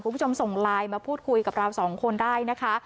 คุณผู้ชมส่งไลน์มาพูดคุยกับเราสองคนได้นะคะ